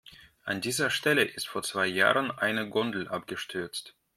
An dieser Stelle ist vor zwei Jahren eine Gondel abgestürzt.